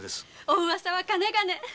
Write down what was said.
おうわさはかねがね。